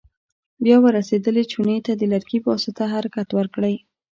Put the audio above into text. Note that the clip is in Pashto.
بیا ور رسېدلې چونې ته د لرګي په واسطه حرکت ورکړئ.